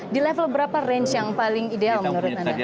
di level berapa range yang paling ideal menurut anda